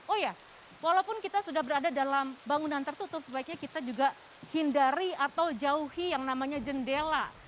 oh ya walaupun kita sudah berada dalam bangunan tertutup sebaiknya kita juga hindari atau jauhi yang namanya jendela